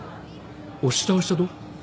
押し倒したと？